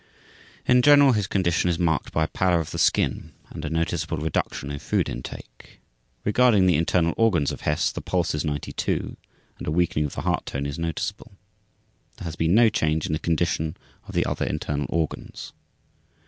In general his condition is marked by a pallor of the skin and a noticeable reduction in food intake. Regarding the internal organs of Hess, the pulse is 92, and a weakening of the heart tone is noticeable. There has been no change in the condition of the other internal organs.